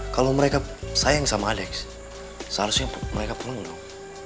kalau mereka sayang sama alex seharusnya mereka pulang dong